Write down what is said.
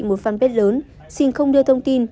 một fanpage lớn xin không đưa thông tin